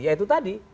ya itu tadi